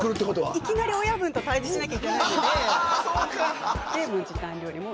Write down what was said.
いきなり親分と対じしなきゃいけないので。